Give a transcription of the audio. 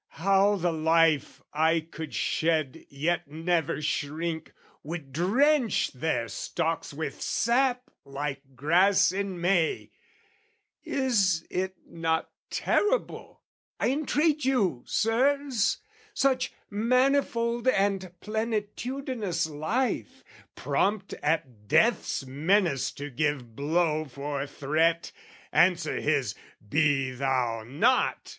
How the life I could shed yet never shrink, Would drench their stalks with sap like grass in May! Is it not terrible, I entreat you, Sirs? Such manifold and plenitudinous life, Prompt at death's menace to give blow for threat, Answer his "Be thou not!"